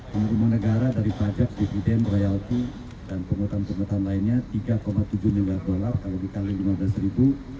penerimaan negara dari pajak dividen royalti dan penghutang penghutang lainnya tiga tujuh miliar dolar kalau dikali lima belas ribu